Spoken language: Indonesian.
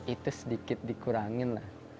itu sedikit dikurangin lah